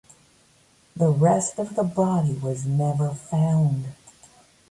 The rest of the body was never found.